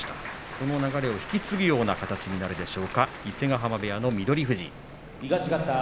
その流れを引き継ぐことができるでしょうか、伊勢ヶ濱部屋の翠富士。